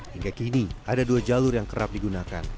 hingga kini ada dua jalur yang kerap digunakan